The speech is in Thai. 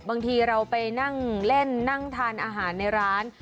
บางทีเราไปนั่งเล่นนั่งทานอาหารในร้าน